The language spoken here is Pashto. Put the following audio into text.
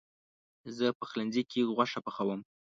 زه پخلنځي کې غوښه پخوم.